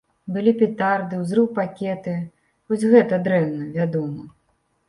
Былі петарды, ўзрыўпакеты, вось гэта дрэнна, вядома.